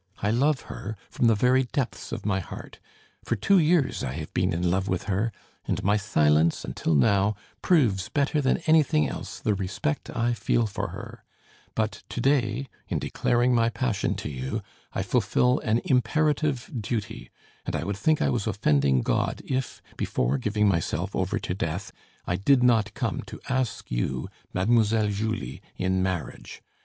I love her, from the very depths of my heart; for two years I have been in love with her, and my silence, until now, proves better than anything else the respect I feel for her; but to day, in declaring my passion to you, I fulfill an imperative duty, and I would think I was offending God, if, before giving myself over to death, I did not come to ask you Mademoiselle Julie in marriage.